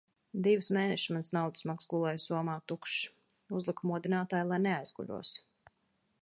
Divus mēnešus mans naudas maks gulēja somā tukšs. Uzliku modinātāju, lai neaizguļos.